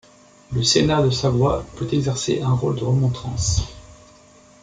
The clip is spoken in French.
Le Sénat de Savoie peut exercer un rôle de remontrance.